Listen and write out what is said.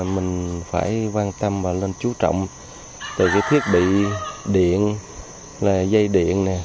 mình phải quan tâm và lên chú trọng từ cái thiết bị điện dây điện